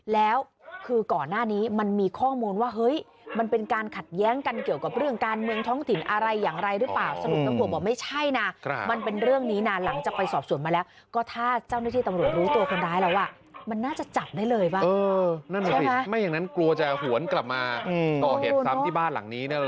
แล้วคือก่อนหน้านี้มันมีข้อมูลว่า